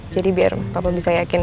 jadi biar papa bisa yakin